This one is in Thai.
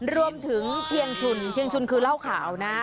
รวมถึงเชียงชุนเชียงชุนคือเหล้าข่าวนะฮะ